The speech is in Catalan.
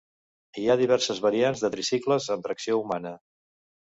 Hi ha diverses variants de tricicles amb tracció humana.